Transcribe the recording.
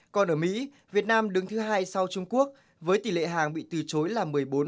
còn ở mỹ việt nam đứng thứ hai sau trung quốc với tỷ lệ hàng bị từ chối là một mươi bốn